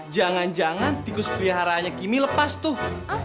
jangan jangan tikus peliharanya kimi lepas tuh